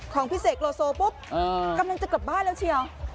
ของพี่เสกโลโซปุ๊บกำลังจะกลับบ้านแล้วเชียว